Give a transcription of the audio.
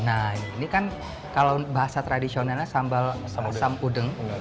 nah ini kan kalau bahasa tradisionalnya sambal asam udeng